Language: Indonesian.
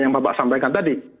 yang bapak sampaikan tadi